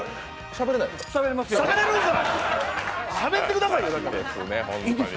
しゃべれない？しゃべってくださいよ。